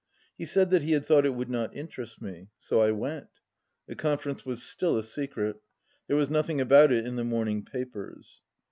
He said that he had thought it would not interest me. So I went. The Conference was still a secret. There was nothing about it in the morning papers.